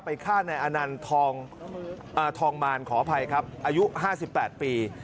ฆ่านายอนันทองมารขออภัยครับอายุ๕๘ปี